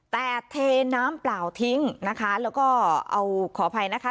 แต่เทน้ำเปล่าทิ้งนะคะแล้วก็เอาขออภัยนะคะ